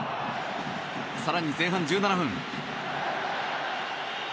更に前半１７分。